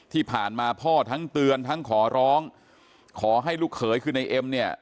ที่ผ่านมาพ่อทั้งเตือนทั้งขอร้องขอให้ลูกเขยคือในเอ็มเนี่ย